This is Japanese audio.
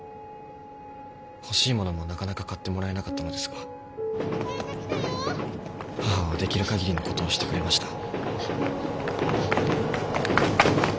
欲しいものもなかなか買ってもらえなかったのですが母はできるかぎりのことをしてくれました。